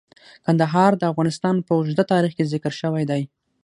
کندهار د افغانستان په اوږده تاریخ کې ذکر شوی دی.